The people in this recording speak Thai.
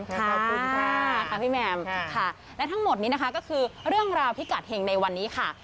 ขอบคุณค่ะค่ะพี่แมมค่ะและทั้งหมดนี้นะคะก็คือเรื่องราวพิกัดเห็งในวันนี้ค่ะ